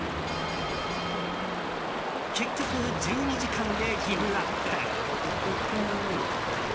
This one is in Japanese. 結局、１２時間でギブアップ！